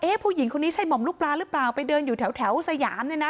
ผู้หญิงคนนี้ใช่หม่อมลูกปลาหรือเปล่าไปเดินอยู่แถวสยามเนี่ยนะ